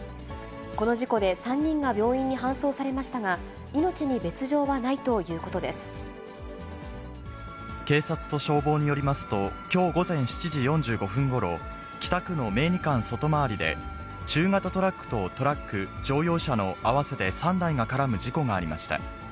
この事故で、３人が病院に搬送されましたが、命に別状はないとい警察と消防によりますと、きょう午前７時４５分ごろ、北区の名二環外回りで、中型トラックとトラック、乗用車の合わせて３台が絡む事故がありました。